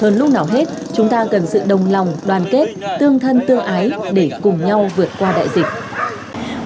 hơn lúc nào hết chúng ta cần sự đồng lòng đoàn kết tương thân tương ái để cùng nhau vượt qua đại dịch